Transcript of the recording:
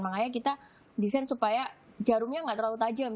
makanya kita desain supaya jarumnya nggak terlalu tajam